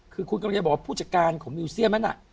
คือคุณกำลังจะบอกว่าผู้จัดการของมิวเซียมนั้นน่ะ